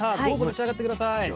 どうぞ召し上がって下さい。